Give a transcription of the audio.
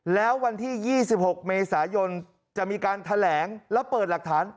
แล้ววันที่๒๖เมษายนจะมีการแถลงแล้วเปิดหลักฐาน